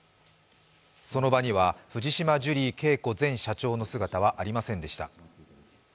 その場には藤島ジュリー景子前社長の姿はありませんでした。